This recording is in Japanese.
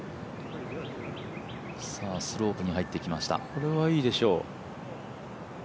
これはいいでしょ。